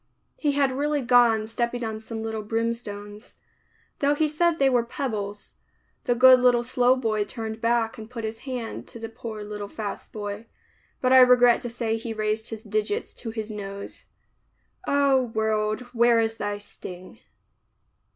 He had really gone stepping on some little brimstones, — though he said they were pebbles. The good little slow boy turned back and put his hand to the poor little fast boy, but I regret to say he raised his digits to his nose — O, world where is thy sting.